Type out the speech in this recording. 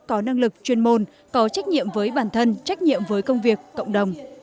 có năng lực chuyên môn có trách nhiệm với bản thân trách nhiệm với công việc cộng đồng